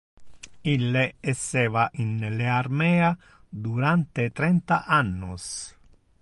Ille esseva in le armea durante trenta annos.